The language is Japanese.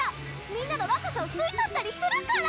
みんなの若さを吸い取ったりするから！